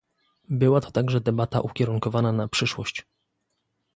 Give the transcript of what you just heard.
Była to także debata ukierunkowana na przyszłość